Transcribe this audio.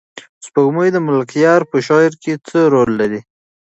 سپوږمۍ د ملکیار په شعر کې څه رول لري؟